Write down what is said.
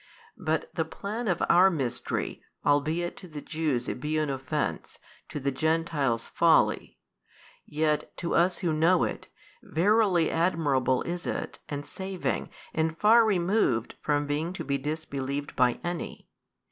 But the plan of our Mystery, albeit to the Jews it be an offence, to the Gentiles folly, yet to us who know it, verily admirable is it and saving and far removed from being to be disbelieved by any.